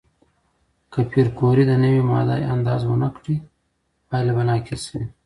که پېیر کوري د نوې ماده اندازه ونه کړي، پایله به ناقصه وي.